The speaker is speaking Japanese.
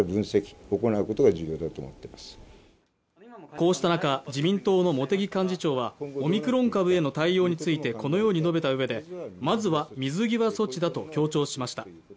こうした中、自民党の茂木幹事長はオミクロン株への対応についてこのように述べたうえで、まずは水際措置だと強調しました。